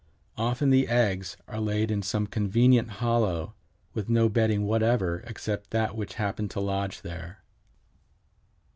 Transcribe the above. Often the eggs are laid in some convenient hollow, with no bedding whatever except that which happened to lodge there.